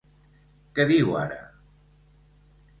Què diu ara?